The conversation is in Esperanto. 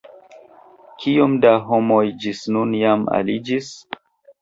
Kiom da homoj ĝis nun jam aliĝis?